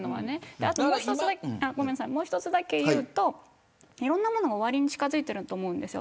もう１つだけ言うといろんなものが終わりに近づいていると思うんです。